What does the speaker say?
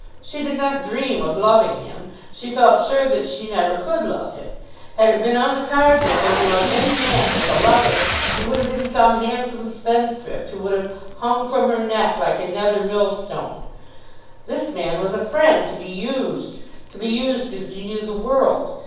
She did not dream of loving him. She felt sure that she never could love him. Had it been on the cards with her to love any man as a lover, it would have been some handsome spendthrift who would have hung from her neck like a nether millstone. This man was a friend to be used, to be used because he knew the world.